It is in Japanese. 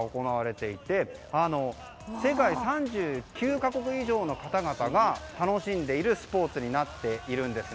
世界３９か国以上の方々が楽しんでいるスポーツになっているんです。